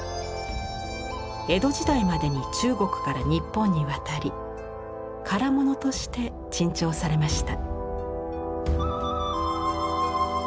江戸時代までに中国から日本に渡り唐物として珍重されました。